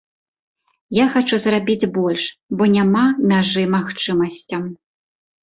Я хачу зрабіць больш, бо няма мяжы магчымасцям.